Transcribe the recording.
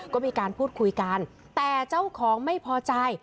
ก็มีการพูดคุยกันแต่เจ้าของไม่พอใจ